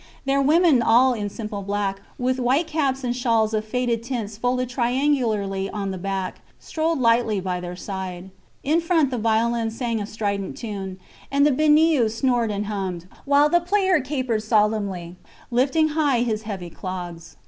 Their women all in simple black, with white caps and shawls of faded tints folded triangularly on the back, strolled lightly by their side. In front the violin sang a strident tune, and the biniou snored and hummed, while the player capered solemnly, lifting high his heavy clogs.